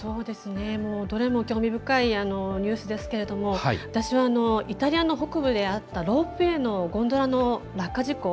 どれも興味深いニュースですけれども私はイタリアの北部であったロープウェーのゴンドラの落下事故。